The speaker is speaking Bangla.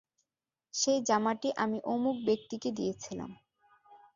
সেই জামাটি আমি অমুক ব্যক্তিকে দিয়েছিলাম।